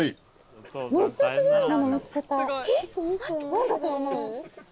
何だと思う？